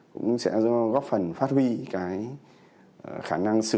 cũng sẽ góp phần phát huy cái khả năng sử dụng